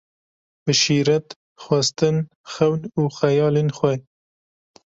Bi şîret, xwestin, xewn û xeyalên xwe